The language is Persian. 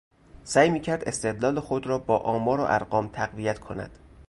سعی میکرد استدلال خود را با آمار و ارقام تقویت کند.